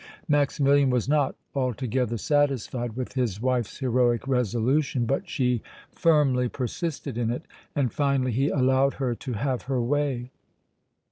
Maximilian was not altogether satisfied with his wife's heroic resolution, but she firmly persisted in it and finally he allowed her to have her way.